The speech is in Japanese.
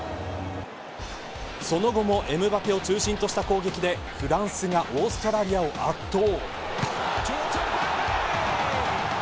その後もエムバペを中心とした攻撃でフランスがオーストラリアを圧倒。